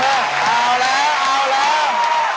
เอาแล้วเอาแล้ว